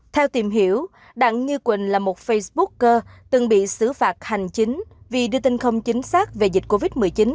theo tìm hiểu đặng như quỳnh là một facebooker từng bị xử phạt hành chính vì đưa tin không chính xác về dịch covid một mươi chín